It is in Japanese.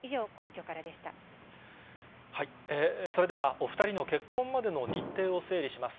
それではお２人の結婚までの日程を整理します。